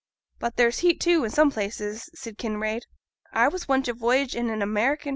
'But there's heat, too, i' some places,' said Kinraid. I was once a voyage i' an American.